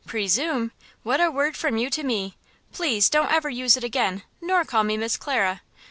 "Presume! What a word from you to me! Please don't use it ever again, nor call me Miss Clara.